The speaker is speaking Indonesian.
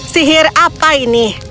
sihir apa ini